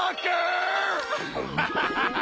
ウハハハハ！